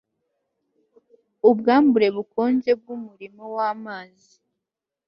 ubwambure bukonje bwumurimo wamazi